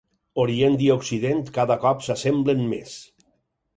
Orient i Occident cada cop s'assemblen més.